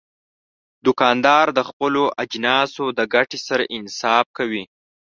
دوکاندار د خپلو اجناسو د ګټې سره انصاف کوي.